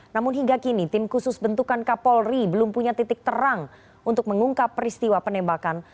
namun hingga kini tim khusus bentukan kapolri belum punya titik terang untuk mengungkap peristiwa penembakan